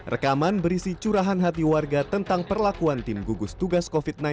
rekaman berisi curahan hati warga tentang perlakuan tim gugus tugas covid sembilan belas